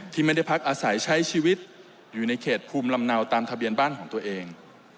ที่ไม่ได้พักอาศัยใช้ชีวิตอยู่ในเขตภูมิลำเนาตามทะเบียนบ้านของตัวเอง